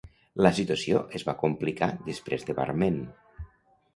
La situació es va complicar després de Barmen.